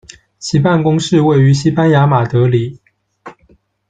其办公室位于西班牙马德里。